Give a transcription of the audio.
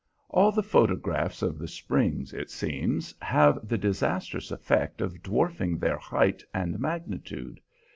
All the photographs of the Springs, it seems, have the disastrous effect of dwarfing their height and magnitude.